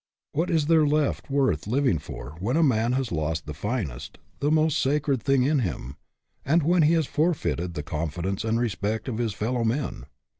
What is there left worth living for when a man has lost the finest, the most sacred thing in him, and when he has forfeited the confidence and respect of his fellow men?